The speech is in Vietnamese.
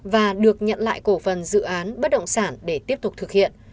và được nhận lại cổ phần dự án bất động sản để tiếp tục thực hiện